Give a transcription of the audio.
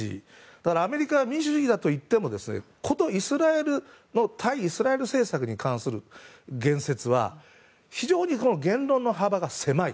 アメリカは民主主義だと言っても対イスラエル政策に関する言説は非常に言論の幅が狭い。